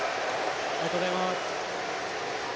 ありがとうございます。